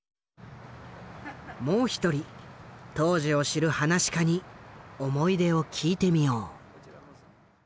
もう１人当時を知る噺家に思い出を聞いてみよう。